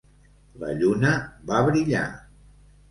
La lluna va brillar.